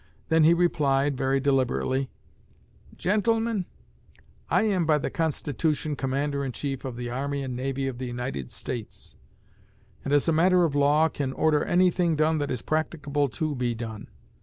Then he replied, very deliberately: "Gentlemen, I am by the Constitution commander in chief of the army and navy of the United States; and, as a matter of law, can order anything done that is practicable to be done.